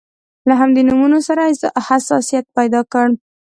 له همدې نومونو سره حساسیت پیدا کړ.